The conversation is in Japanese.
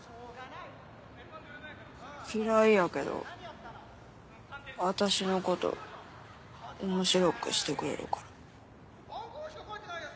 嫌いやけど私のこと面白くしてくれるから。